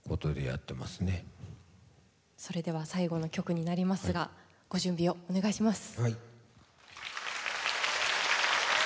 それでは最後の曲になりますがご準備をお願いします。